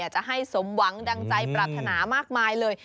จะให้สมหวังดังใจปรารถนามากมายเลย